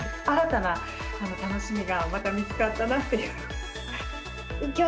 新たな楽しみがまた見つかったなっていう。